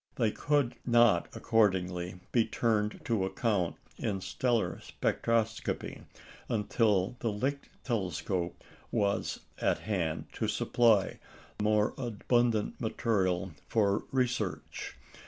They could not, accordingly, be turned to account in stellar spectroscopy until the Lick telescope was at hand to supply more abundant material for research.